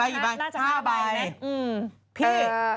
หลายใบอยู่น่ะหลายใบหลายใบหลายใบ๕ใบหรือไหมอืม